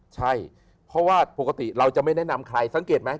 ใช่เพราะว่าปกติเราจะไม่แนะนำใครสังเกตไหม